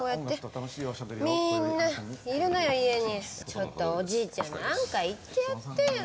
ちょっとおじいちゃま何か言ってやってよ。